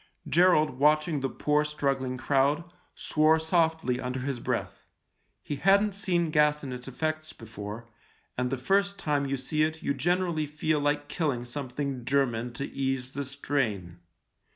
Gerald, watching the poor, struggling crowd, swore softly under his breath. He hadn't seen gas and its effects before, and the first time you see it you generally feel like killing some thing German to ease the strain.